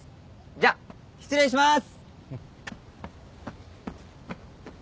じゃ失礼しまーす。